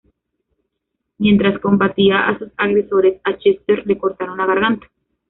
Mientras combatía a sus agresores, a Chester le cortaron la garganta.